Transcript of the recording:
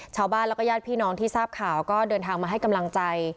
ชาวบ้านแล้วก็ญาติพี่น้องที่ทราบข่าวก็เดินทางมาให้กำลังใจ